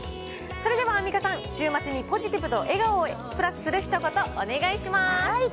それではアンミカさん、週末にポジティブと笑顔をプラスするひと言、お願いします。